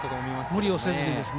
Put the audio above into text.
無理をせずに。